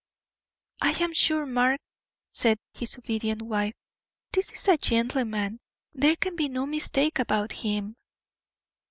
"I am sure, Mark," said his obedient wife, "this is a gentleman; there can be no mistake about him."